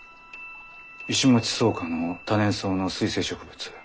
茅膏菜科の多年草の水生植物。